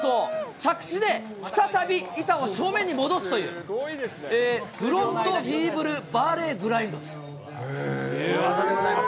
着地で再び板を正面に戻すという、フロントフィーブルバーレーグラインドという技でございます。